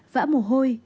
vã mồ hôi